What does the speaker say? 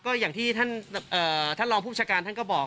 ก็อย่างที่ท่านรองผู้ประชาการท่านก็บอก